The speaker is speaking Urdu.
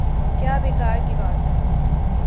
کیا بیکار کی بات ہے۔